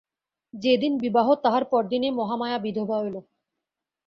যেদিন বিবাহ তাহার পরদিনই মহামায়া বিধবা হইল।